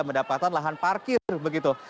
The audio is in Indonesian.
mendapatkan lahan parkir begitu